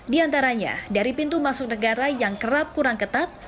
di antaranya dari pintu masuk negara yang kerap kurang ketat